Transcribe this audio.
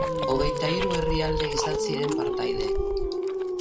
Hogeita hiru herrialde izan ziren partaide.